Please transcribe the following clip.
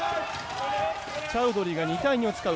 チャウドリーが２対２を使う。